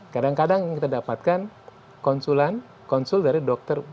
kadang kadang kita dapatkan konsulan konsul dari dokter